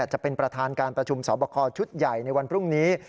จะเป็นประธานการประชุมสอบคอชุดใหญ่ในวันพรุ่งนี้